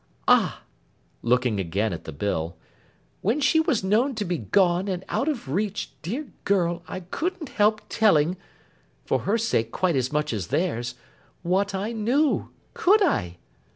Ah!' looking again at the bill; 'when she was known to be gone, and out of reach, dear girl, I couldn't help telling—for her sake quite as much as theirs—what I knew, could I?